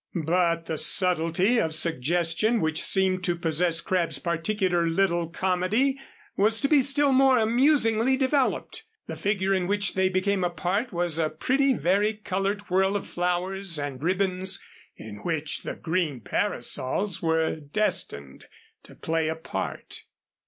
But the subtlety of suggestion which seemed to possess Crabb's particular little comedy was to be still more amusingly developed. The figure in which they became a part was a pretty vari colored whirl of flowers and ribbons, in which the green parasols were destined to play a part.